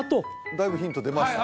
だいぶヒント出ました